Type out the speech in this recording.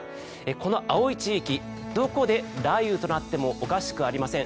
この青い地域どこで雷雨となってもおかしくありません。